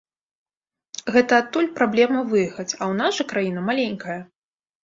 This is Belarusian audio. Гэта адтуль праблема выехаць, а ў нас жа краіна маленькая.